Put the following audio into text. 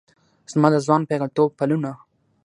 زما د ځوان پیغلتوب پلونه